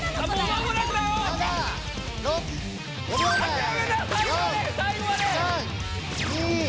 最後まで最後まで！